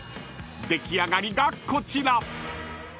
［出来上がりがこちら］